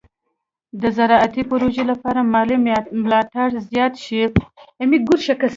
د زراعتي پروژو لپاره مالي ملاتړ زیات شي.